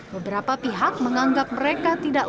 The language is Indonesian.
beberapa pihak menganggap mereka tidak